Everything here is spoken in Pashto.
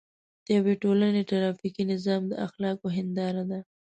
د یوې ټولنې ټرافیکي نظام د اخلاقو هنداره ده.